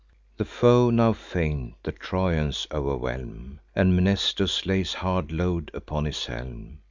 The foe, now faint, the Trojans overwhelm; And Mnestheus lays hard load upon his helm.